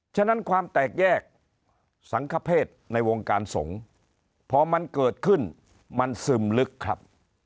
ฉะนั้นความแตกแยกสังคเพศในวงการสงฆ์พอมันเกิดขึ้นมันซึมลึกครับ